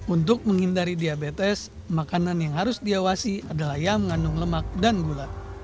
untuk menghindari diabetes makanan yang harus diawasi adalah yang mengandung lemak dan gula